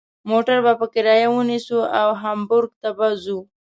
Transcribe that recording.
موټر به په کرایه ونیسو او هامبورګ ته به ځو.